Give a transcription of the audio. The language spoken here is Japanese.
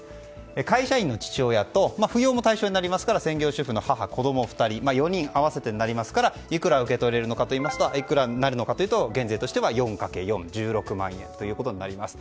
会社員の父親と扶養も対象になりますから専業主婦の母と子供４人合わせてになりますからいくらになるのかというと減税としては４×４で１６万円となります。